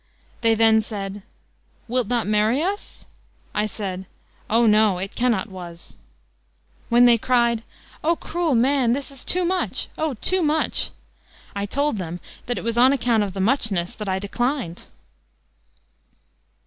"They then said, 'Wilt not marry us?' "I said, 'O no, it cannot was.' "When they cried, 'O cruel man! this is too much! O! too much,' I told them that it was on account of the muchness that I declined."